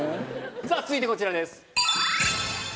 さぁ続いてこちらです。